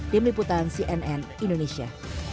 tim liputan cnn indonesia